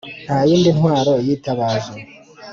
nta yindi ntwaro yitabaje